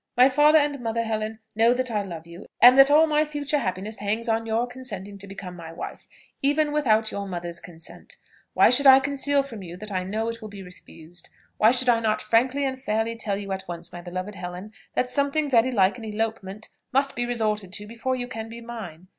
My father and mother, Helen, know that I love you, and that all my future happiness hangs on your consenting to become my wife, even without your mother's consent. Why should I conceal from you that I know it will be refused? Why should I not frankly and fairly tell you at once, my beloved Helen, that something very like an elopement must be resorted to before you can be mine?